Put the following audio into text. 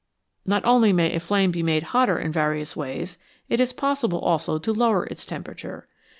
Not only may a flame be made hotter in various ways ; it is possible also to lower its temperature.